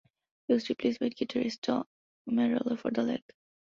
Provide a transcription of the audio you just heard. He was replaced by guitarist Tom Morello for the leg.